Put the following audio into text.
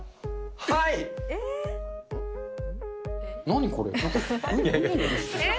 はい！